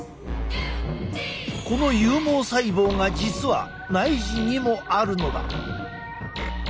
この有毛細胞が実は内耳にもあるのだ。